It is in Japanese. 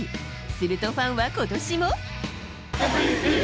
するとファンはことしも。